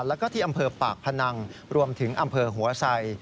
แล้วก็ที่อำเภอปากพนังรวมถึงอำเภอหัวไซ